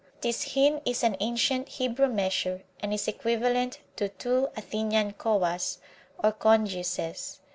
This hin is an ancient Hebrew measure, and is equivalent to two Athenian choas [or congiuses].